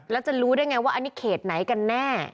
แล้วจะรู้ได้ไงว่าอันนี้เขตไหนกันแน่